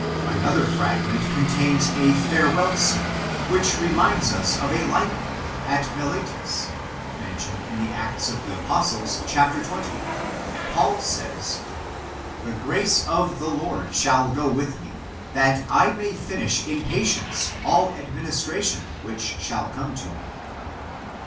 Another fragment contains a farewell scene, which re minds us of a like one, at Miletus, mentioned in the Acts of the Apostles, chap. xx. Paul says :" The grace of the Lord shall go with me, that I may finish in patience all administration, which shall come to me."